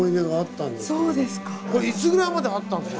いつぐらいまであったんですか？